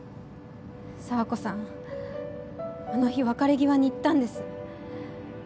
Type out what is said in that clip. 佐和子さんあの日別れ際に言ったんです